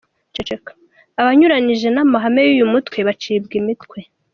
Abanyuranyije n'amahame y'uyu mutwe bacibwa imitwe.